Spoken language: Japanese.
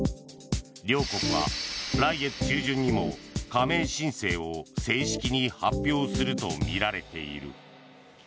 両国は来月中旬にも加盟申請を正式に発表するとみられている。